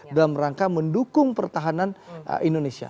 dalam rangka mendukung pertahanan indonesia